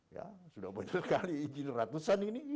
ya sudah banyak sekali izin ratusan ini